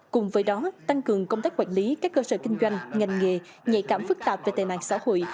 cùng với đó tăng cường công tác quản lý các cơ sở kinh doanh ngành nghề nhạy cảm phức tạp về tề nạn xã hội